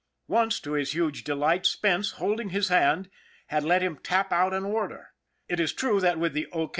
Once, to his huge delight, Spence, holding his hand, had let him tap out an order. It is true that with the O.